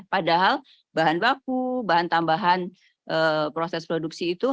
padahal bahan baku bahan tambahan proses produksi itu